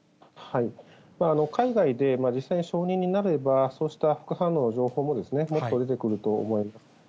海外で実際に承認になれば、そうした副反応の情報ももっと出てくると思います。